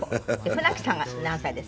舟木さんが何歳ですって？